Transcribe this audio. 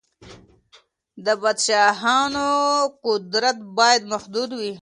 د پادشاهانو قدرت بايد محدود وي.